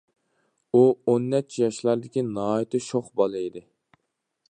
ئۇ ئون نەچچە ياشلاردىكى ناھايىتى شوخ بالا ئىدى.